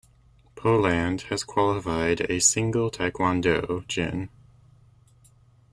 Poland has qualified a single taekwondo jin.